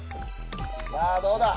さあどうだ！